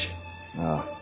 ああ。